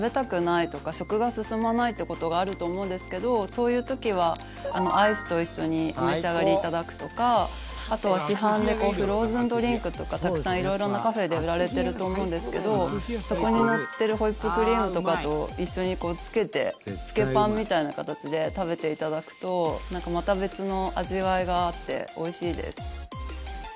そういう時はアイスと一緒にお召し上がりいただくとかあとは市販のフローズンドリンクとかたくさん色々なカフェで売られていると思うんですけどそこに乗っているホイップクリームとかと一緒につけてつけパンみたいな形で食べていただくとまた別の味わいがあっておいしいです。